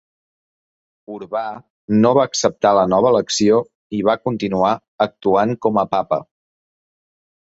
Urbà no va acceptar la nova elecció i va continuar actuant com a papa.